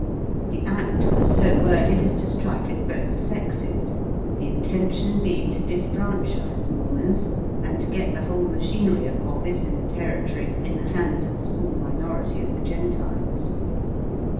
The Act was so worded as to strike at both sexes, the intention being to disfranchise Mormons and get the whole machinery of office in the Territory in the hands of the small minority of the Gentiles.